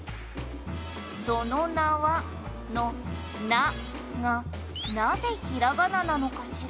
「そのなはの“な”がなぜひらがななのかしら？」